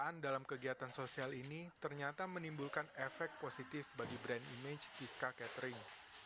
penggunaan dalam kegiatan sosial ini ternyata menimbulkan efek positif bagi brand image fiskal catering